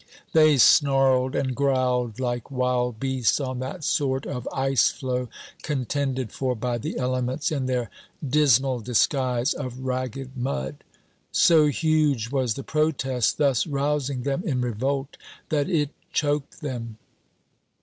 They snarled and growled like wild beasts on that sort of ice floe contended for by the elements, in their dismal disguise of ragged mud. So huge was the protest thus rousing them in revolt that it choked them.